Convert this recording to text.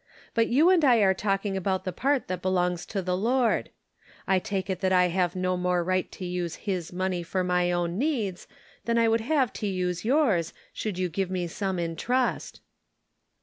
But you. and I are talking about the part that belongs to the Lord. I take it that I have no more right to use his money for my own needs than I would have to use yours, should you give me some in trust."